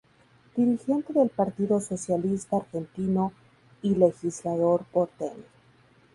Dirigente del Partido Socialista argentino y legislador porteño.